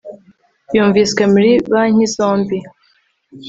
Yumviswe muri banki zombi